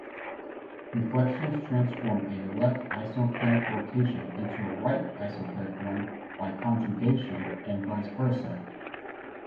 Reflections transform a left-isoclinic rotation into a right-isoclinic one by conjugation, and vice versa.